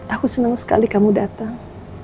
aku senang sekali kamu datang